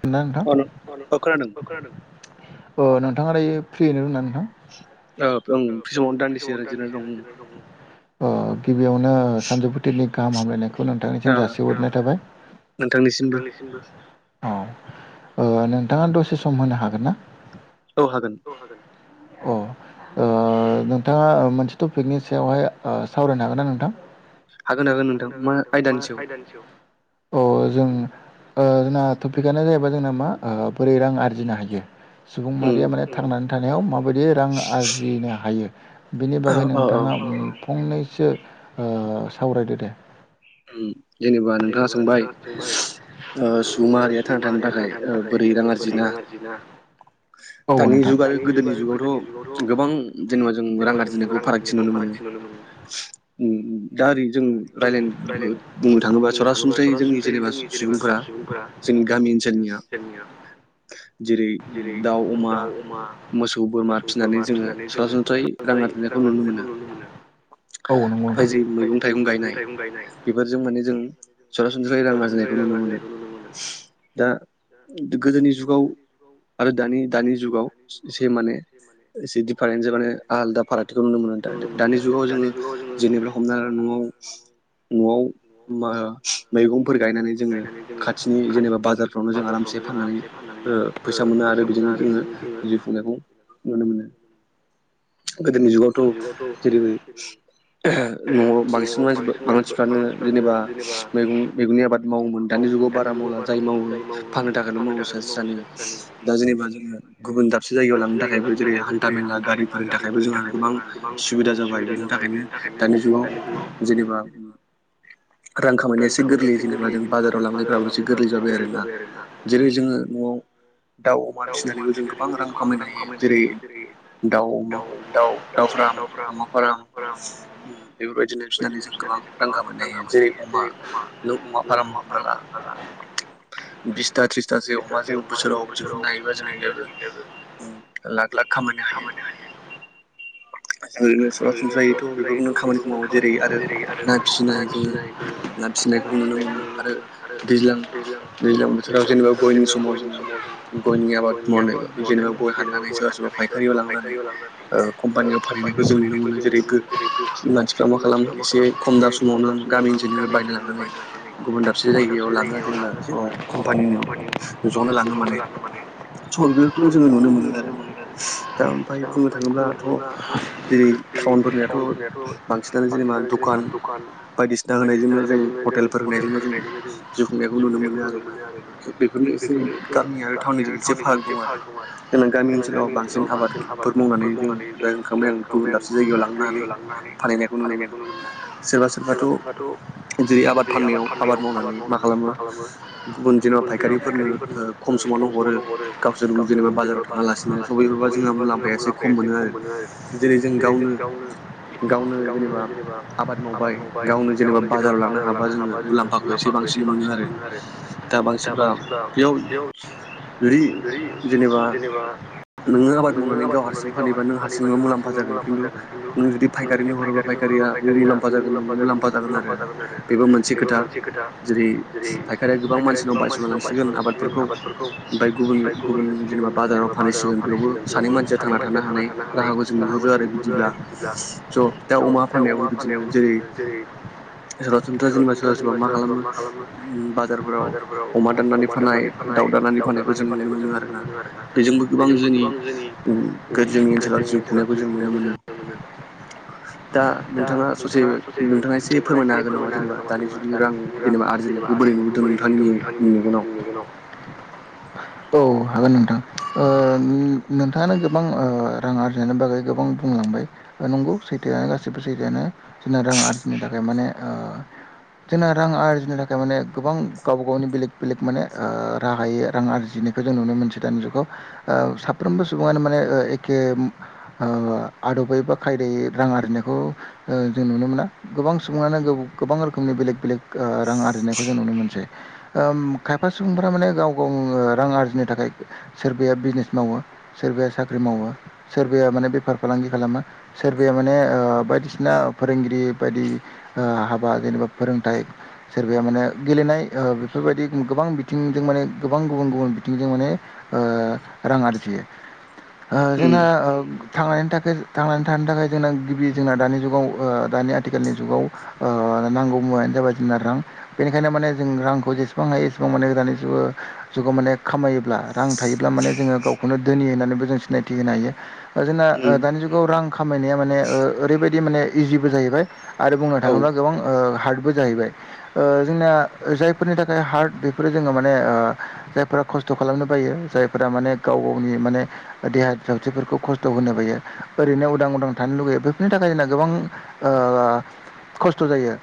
खोनादोंना नोंथां? अ नोंथाङा दायो फ्रियैनो दंना नोंथां? औ फ्रि समावनो दान्दिसे जिरायना दं। गिबियावनो सानजौफुथिलिनि गाहाम हामलायनाय बे खौ नोंथांनिसिम जासिहरनाय थाबाय नोंथांनिसिमबो औ नोंथाङा दसे सम होनो हागोन ना? औ हागोन। [unintelligible] औ ओ ओ नोंथाङा मोनसे टपिकनि सायावहाय सावरायनो हागोन ना नोंथां? हागोन हागोन नोंथां मा आयदानि सायाव? [inaudible] अ जों ओ जोंना टपिकआनो जायैबाय जोंना मा बोरै रां आरजिनो हायो सुबुं माहारिया माने थांनानै थानायाव मा बोरैहाय रां आरजिनो हायो बेनि बागै नोंथाङा फंनैसो सावरायदो दे। जेनेबा नोंथाङा सोंबाय सुबुं माहारिया थांना थानो थाखाय बोरै रां आरजिना दानि जुगाव आरो गोदोनि जुगावथ' गोबां जेनेबा जों रां आरजिनायखौ फारागथि नुनो मोनो। दा ओरै जों रालायनो रायलायनो बुंनो थाङोब्ला सरासनस्रायै जोंनि जेनेबा सुबुंफोरा [inaudible] जेरै दाउ अमा मोसौ बोरमा फिसिनानै जोङो सरासनस्रायै ओमफ्राय रां आरजिनायखौ नुनो मोनो औ नंगौ नोंथां मैगं थाइगं गायनाय बेफोरजों माने जों सरासनस्रायै रां आरजिनायखौ नुनो मोनो दा गोदोनि जुगाव आरो दानि दानि जुगाव एसे माने एसे दिफारेन्ट जे माने आलादा फारागथिखौ नुनो मोनो दानि जुगाव जोङो जेनेबा हमना न'आव [inaudible] न'आव मैगंफोर गायनानै जोङो खाथिनि जेनेबा बाजार फ्रावनो जों आरामसे फाननानै ओ फैसा मोनो आरो बेजोंनो जोङो जिउ खुंनायखौ नुनो‌ मोनो। गोदोनि जुगावथ' जेरै न'आव बांसिन मानसि मानसिफ्रानो जेनबा मैगं मैगंनि आबाद मावोमोन दानि जुगाव बारा मावला जाय मावो फाननो थाखायल' मावो सासे सानै दा जेनेबा जोङो गुबुन दाबसे जायगायाव लांनो थाखायबो जेरै हान्था मेला गारि फोरोंनो थाखायबो जोंहा गोबां सुबिदा जाबाय बेनि थाखायनो दानि जुगाव जेनेबा रां खामानाया एसे गोरलै जेनेबा जों बाजाराव लांनायफ्राबो एसे गोरलै जाबाय आरो ना? जेरै जोङो न'आव दाउ अमा फिसिनानैबो जों गोबां रां खामायनो हायो जेरै दाउ अमा दाउ फार्म अमा फार्म बेफोरबायदिनो फिसिनानै जों गोबां [unintelligible] जेरै अमा नों अमा फार्म हमना ला बिसथा थ्रिसथासो अमा जोङो बोसोराव दिहुननो हायो। [unintelligible] उम जों लाख लाख खामनो हायो। जों सरासनस्रायैथ' बेफोरखौनो खामानिखौ मावो जेरै आरो ना फिसिनाय जोङो ना फिसिनायखौबो नुनो मोनो आरो दैज्लां दैज्लां बोथोराव जेनेबा गयनि समाव जोङो गयनि आबाद मावनायबो जेनेबा गय हाननानै सोरबा सोरबा फायखारिनायाव लांनानै कम्पानियाव फानहैनायखौ जों नुनो मोनो जेरै मानसिफ्रा मा खालामो एसे खम दा समावनो गामि ओनसोलनि बायना लांनानै गुबुन दाबसे जायगायाव लाङो जेनेबा ज' कम्पानियाव जनो लाङो माने स' बेफोरखौनो जोङो नुनो मोनो आरो ना दा ओमफाय बुंनो थाङोब्लाथ' जेरै टाउनफोरनियाथ' बांसिनानो जेनेबा दुखान बायदिसिना होनायजोंनो जों हटेलफोर होनायजोंनो जों जिउ खुंनायखौ नुनो मोनो आरोना बे [unintelligible] एसे गामि आरो थटाउननिजों एसे पार्क दं आरो जोंना गामि ओनसोलाव बांसिन आबादफोर मावनानै जोङो रां खामायनो गुबुन दाबसे जायगायाव लांनानै फानैनायखौ नुनो मोनो। सोरबा सोरबाथ' बे आबाद खामनायाव आबाद मावनानै मा खालामो गुबुन दिनाव फायखारिफोरनो ओ खम समावनो हरो गावसोर जेनेबा बाजाराव थांयालासिनो बबे बबेबा जोंहा मुलाम्फाया एसे खम मोनो आरो जेरै जों गावनो गावनो जेनेबा आबाद मावबाय गावनो जेनेबा बाजाराव लांनो हाबा जोङो मुलाम्फाखौ एसे बांसिन मोनो आरो। दा बांसिनफ्रा बेयाव जुदि जेनेबा नोङो आबाद मावनानै गाव हारसिं फानैबा नों हारसिंनो मुलाम्फा जागोन खिन्थु नों जुदि फायखारिनो हरोबा फायखारिया मुलाम्फा जागोन नोंबो मुलाम्फा जागोन आरो बेबो मोनसे खोथा जेरै फायखारिया गोबां मानसिनाव बायस'ना लांसिगोन आबादफोरखौ ओमफ्राय गुबुन गुबुन जेनेबा बाजाराव फानैसिगोन बेयावबो सानै मानसिया थांना थानो हानाय राहाखौ जों नुबोदों आरो बिदिब्ला ज' दा अमा फाननायावबो बिदिनो जेरै [unintelligible] जेनेबा सोरबा सोरबा मा खालामो बाजारफोराव अमा दाननानै फानाय दावगानानै फाननायखौ जों नुनो मोनो आरोना बेजोंबो गोबां जोंनि गोदोनि गोबां जिउ खुंनायखौ जों नुनो मोनो। दा नोंथाङा ससे नोंथाङा एसे फोरमायनो हागोन नामा जेनेबा दानि जुगनि रां जेनेबा आरजिनायखौ बोरै नुबोदों आंनि मेगनाव औ हागोन नोंथां ओ नों-नोंथाङानो गोबां ओ रां आरजिनायनि बागै गोबां बुंलांबाय नंगौ सैथो आनो गाैबो सैथो आनो जोंना रां आरजिनो थाखाय माने ओ जोंना रां आरजिनो थाखाय माने गोबां गावब गावनि बेलेग बेलेग माने राहायै रां आरजिनायखौ जों नुनो मोनसै दानि जुगाव साफ्रोमबो सुबुङानो माने एखे ओ आदबै बा खायदायै रां आरजिनायखौ जों नुनो मोना गोबां सुबुङानो गोबां रोखोमनि बेलेग बेलेग रां आरजिनायखौ जों नुनो मोनसै। ओम खायफा सुबुंफोरा माने गाव गं रां आरजिनो थाखाय सोरबाया बिजिनेस मावो सोरबाया साख्रि मावो। सोरबाया माने बेफार फालांगि खालामो। सोरबाया माने बायदिसिना फोरोंगिरि बायदि हाबा जेनेबा फोरोंथाइ सोरबाया माने गेलेनाय बेफोरबायदि गोबां बिथिंजों माने गोबां गुबुन गुबुन बिथिंजों माने रां आरजियो। ओ जोंना थांनायनि थाखाय थांनानै थानो थाखाय जोंना गिबि जोंना दानि जुगाव दानि आथिखालनि जुगाव ओ नांगौ मुवायानो जाबाय रां। बेनिखायनो माने जों रांखौ जेसेबां हायो एसेबां माने गोदानै जेबो जुगाव माने खामायोब्ला रां थायोब्ला माने जोङो गावखौनो दोनि होननानैबो जों सिनायथि होनो हायो। जोंना दानि जुगाव रां खामायनाया माने ओरैबायदि माने इजिबो जाहैबाय। आरो बुंनो थाङोब्ला गोबां ओ हार्दबो जाहैबाय ओ जोंनाया जायफोरनि थाखाय हार्ट बेफोरो जोङो माने ओ जायफोरा खस्थ' खालामनो बायो जायफोरा माने गाव गावनि माने देहा सावस्रिफोरखौ खस्थ' होनो बायो ओरैनो उदां उदां थानो लुुबैयो बेफोरनि थाखाय जोंना गोबां ओ खस्थ' जायो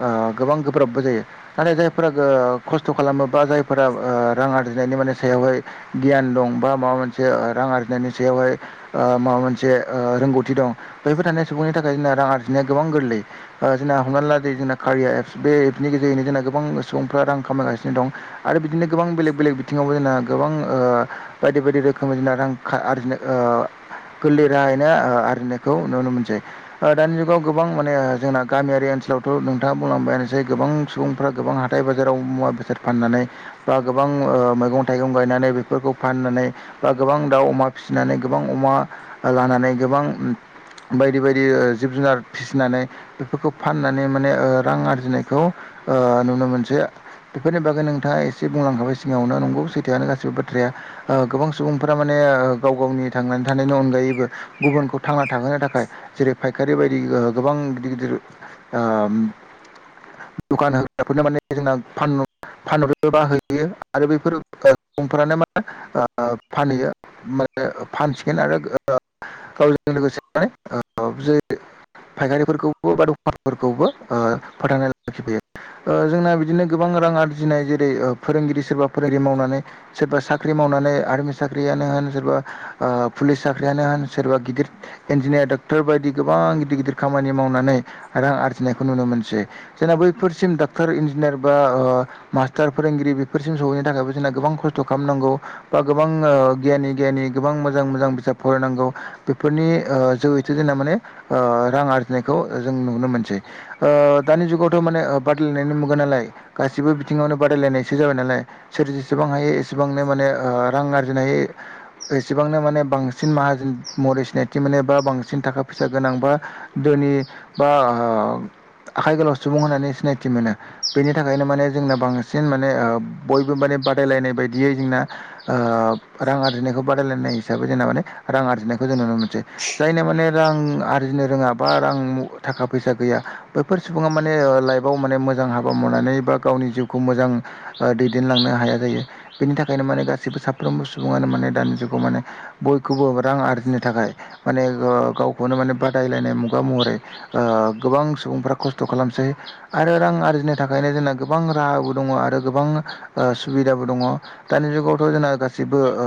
ओ गोबां गोब्राबबो जायो नाथाय जायफोरा खस्थ' खालामो बा जायफो रा ओ रां आरजिनायनि माने सायावहाय गियान दं बा माबा मोनसे ओ रां आरजिनायनि सायावहाय ओ माबा मोनसे रोंगौथि दं बैफोर थानाय सुबुंनि थाखाय जोंना रां आरजिनाया गोबां गोरलै ओ जोंना हमनानै ला दे [inaudible] बेएफनि गेजेरजोंनो गोबां रां खामायगासिनो दं। आरो बिदिनो गोबां बेलेग बेलेग बिथिङावबो जोंना गोबां ओ बायदि बायदि रोखोमनि जोंना रां आरजिनो ओ गोरलै रायनो ओ आरजिनायखौ नुनो मोनसै ओ दानि जुगाव गोबां माने जोंना गामियारि ओनसोलावथ' नोंथाङा बुंलांबायानोसै गोबां सुबुंफ्रा गोबां हा थाय बाजाराव मुवा बेसाद फाननानै बा गोबां ओ मैगं-थाइगं गायनानै बेफोरखौ फाननानै बा गोबां दाउ, अमा फिसिनानै गोबां अमा लानानै गोबां बायदि बायदि ओ जिब-जुनार फिसिनानै बेफोरखौ फाननानै माने ओ रां आरजिनायखौ ओ नुनो मोनसै बेफोरनि बागै नों नोंथाङा एसे बुंलांखाबाय सिगाङावनो नंगौ सैथोआनो गासिबो बाथ्राया ओ गोबां सुबुंफोरा माने गाव गावनि थांनानै थानायनि अनगायैबो गुबुनखौ थांना थाहोनो थाखाय जेरै फायखारि बायदि ओ गोबां गिदिर गिदिर ओ दखान होग्राफोरनो माने जोंना फानो फानबाय बाहैयो आरो बेफोर सुबुंफ्रानो माने फानहैयो माने फानसिगोन आरो गावजों लोगोसे ज [inaudible] फायखारिफोरखौबो बा दखानफोरखौबो ओ फोथांना लाखिफैयो। ओ जोंना बिदिनो गोबां रां आरजिनाय जे रै फोरोंगिरि सोरबा फोरोंगिरि मावनानै सोरबा साख्रि मावनानै आर्मि साख्रियानो होन सोरबा ओ पुलिस साख्रियानो होन सोरबा गिदिर इन्जिनियार डक्टर बायदि गोबां गिदिर गिदिर खामानि मावनानै रां आरजिनायखौ नुनो मोनसै जोंना बैफोरसिम डाक्टर इन्जिनियार बा ओ सटार फोरोंगिरि बेफोरसिम सहैनो थाखायबो जोंना गोबां खस्थ' खालामनांगौ बा गोबां ओ गियानि गियानि गोबां मोजां मोजां बिजाब फरायनांगौ। बेफोरनि ओ जोहैथो जोंना माने ओ रां आरजिनायखौ जों नुनो मोनसै ओ दानि जुगावथ' माने बादलायनायनि मुगा नालाय गासिबो बि थिंङावनो बादायलायनायसो जाबाय नालाय सोर जेसेबां हायो एसेबांनो माने ओ रां आरजिनो हायो एसेबांनो माने बांसिन माहाजोन महरै सिनायथि मोनो बा बांसिन थाखा फैसा गोनां बा दोनि बा ओ आखाइ गोलाव सुबुं होननानै सिनायथि मोनो बेनि थाखायनो माने जोंना बांसिन माने ओ बयबो माने बादायलायनाय बायदियै जोंना ओ रां आरजिनायखौ बादायलायनाय हिसाबै जोंना माने रां आरजिनायखौ जों नुनो मोनसै जायनो माने रां आरजिनो रोङा बा रां थाखा फैसा गैया बे फोर सुबुङा माने लाइफआव माने मोजां हाबा मावनानै बा गावनि जिउखौ मोजां ओ दैदेनलांनो हाया जायो। बेनि थाखायनो माने गाससिबो साफ्रोमबो सुबुङानो माने दानि जुगाव माने बयखौबो रां आरजिनो थाखाय माने ओ गावखौनो माने बादायलायनाय मुगा महरै ओ गोबां सुबुंफ्रा खस्थ' खालामसै आरो रां आरजिनो थाखायनो जोंना गोबां राहाबो दङ आरो गोबां ओ सुबिदाबो दङ। दानि जुगावथ' जोंना गासिबो ओ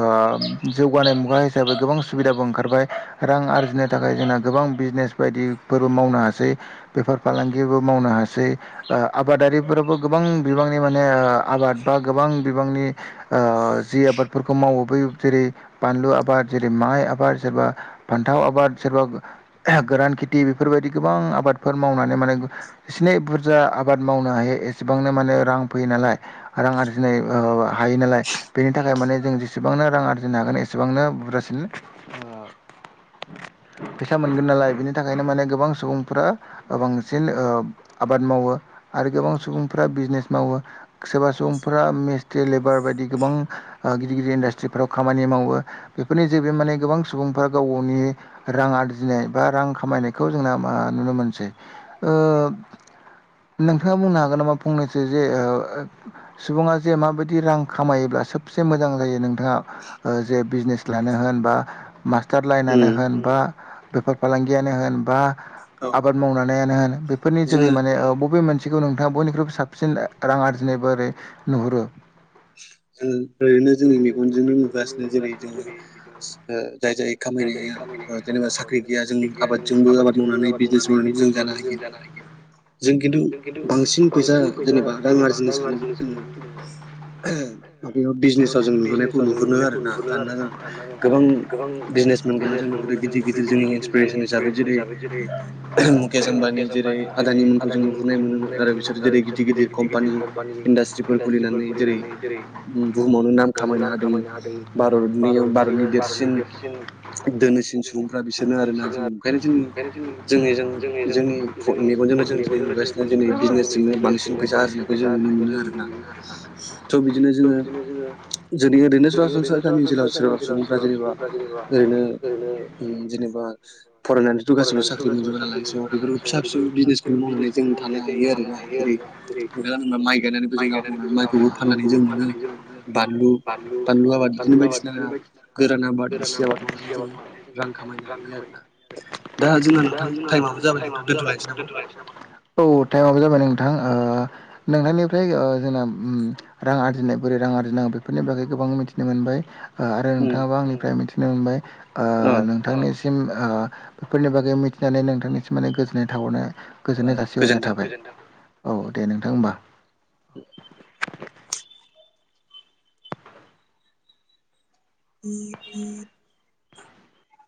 जौगानाय मुगा हिसाबै गोबां सुबिदाबो ओंखारबाय रां आरजिनो थाखाय जोंना गोबां बिजनेस बायदिफोरबो मावनो हासै बेफार फालांगिबो मावनो हासै आबादारिफोराबो गोबां बिबांनि माने आबाद बा गोबां बिबांनि जि आबादफोरखौ मावो ब जेरै बानलु आबाद जेरै माइ आबाद सोरबा फान्थाव आबाद सोरबा गोरान खेथि बेफोरबायदि गोबां आबादफोर मावनानै माने एनै बुरजा आबाद मावनो हायो ए एसेबांनो माने रां फैयो नालाय रां आरजिनाय हायो नालाय बेनि थाखाय माने जों एसेबांनो रां आरजिनो हागोन एसेबांनो बुरजासिन फैसा मोनगोन नालाय बिनि थाखायनो माने गोबां सुबुंफोरा बांसिन आबाद मावो आरो गोबां सुबुं फोर बिजनेस मावो सोरबा सुबुंफोरा मेस ट्रि लेबार बायदि गोबां गिदिर गिदिर इन्डासट्रिफोराव खामानि मावो बेफोरनि जेबो माने गोबां सुबुंफ्रा गाव गावनि रां आरजिनाय बा रां खामायनायखौ जोंना नुनो मोनसै ओ नोंथाङा बुंनो हागोन नामा फंनैसै जे सुबुङा जे माबायदि रां खामायोब्ला सबसे मोजां जायो नों नाङा जे बिजनेस लानो होन बबा मास्टार लाइननो होन बा बेफार फालांगियानो होन बा आबाद मावनायानो होन फोरनि जोहै माने बबे मोनसेखौ नोंथाङा बयनिख्रुइबो साबसिन रां आरजिनायबो ओै नुहुरो ओरैनो जोंनि मेगनजोंनो नुगासिनो जेरै जोङो जाय जाय खामायनाया जेनेबा साख्रि गैया जों आबादजोंबो आबाद मावनानै बिजनेस मावनानैबो जों जानो हायो जों खिन्थु बांसिन फैसा जेनेबा रां आरजिनो सानोब्ला जोङो ह [unintelligible] बे बिजनेसाव जों नुहुरनायखौ नुहुरो आर ना दानोना जों गोबां बिजनेस मोनगौना जों नुहुरो गिदिर गिदिर जोंनि इन्सपिरेसन हिसाबै जेरै मुकेश आम्बानि जेरै आदानि मोनखौ जों नुहोननाय मोनोनो आरो बिसोर जेरै गिदिर गिदिर कम्पानि इन्डास्ट्रिफोर खुलिनानै जेरै बुहुमावनो नाम खामायनो हादों भारतनि भारतनि देरसिन दोनिसिन सुबुंफ्रा बिसोरनो आरोोना जों ओंखायनो जों जोंनि जोंनि मेगनजोंनो जों दिनै नुगासिनो बिजने जोंनो बांसिन फैसा आरजिनायखौ जों नुनो मोनो आरोना स' बिदिनो जों ज जोंनि ओरैनो सरासनस्रा गामि ओनसोलाव सोरबा सुबुंफ्रा जेनेबा ओरैनो जेनेबा फरायनानैथ' गासिबो साख्रि मोनजोबो नालाय स' बेफोर फिसा फिसौ बिजनेस बेनो मावनानै जों थानो हायो आरो दा जेरै दा माइ गायनानैबो जों आब मावनांग माइखौबो फाननानै जों मोनो बानलु बानलु आबाद बिदिनो बायदिसिना गोरान आबाद इसि आबाद जोङो रां खामायनो हायोनि आरोोना दा जोंना नोंथां टाइमाबबो जाबाय नोंथ दोन्थ'लायसै नामा औ टाइमआो जाबाय नोंथां नोंथांनिफ्राय जोंना रां आरजिनाय बोरै रां आरजिनांगौ बेफोरनि बागै गोबां मिथिनो मोनबाय आरो नोंथाङाबो आंनिफ्राय मिथिनो मोनबाय नोंथांनि बेफोरनि बागै मिथिनानै नोंथांनिसिम माने गोजोननाय थावरनो गोजोननाय जासिहरनाय थाबाय औ दे नोंथां होमबा उ [unintelligible]